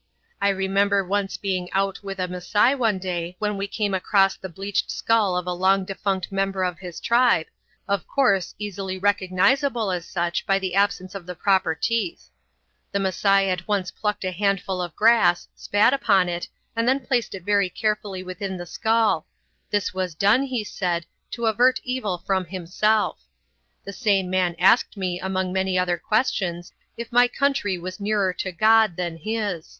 I remember once being out with a Masai one day when we came across the bleached skull of a long defunct member of his tribe, of course easily recognisable as such by the absence of the proper teeth. The Masai at once plucked a handful of grass, spat upon it, and then placed it very carefully within the skull; this was done, he said, to avert evil from himself. The same man asked me among many other questions if my country was nearer to God than his.